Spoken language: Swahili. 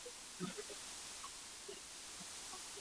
kuafasiri katiba kunahitaji wanasheria wazuri na wenye uzoefu